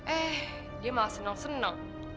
eh dia malah senang senang